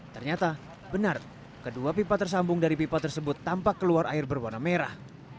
ternyata benar kedua pipa tersambung dari pipa tersebut tampak keluar air berwarna merah